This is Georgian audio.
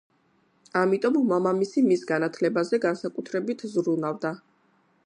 ამიტომ მამამისი მის განათლებაზე განსაკუთრებით ზრუნავდა.